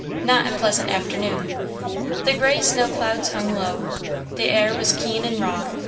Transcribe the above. Not a pleasant afternoon. The grey snow clouds hung low; the air was keen and raw.